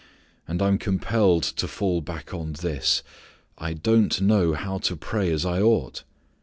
And I am compelled to fall back on this: I don't know how to pray as I ought.